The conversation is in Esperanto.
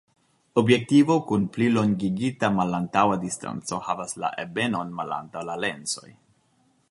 Objektivo kun plilongigita malantaŭa distanco havas la ebenon malantaŭ la lensoj.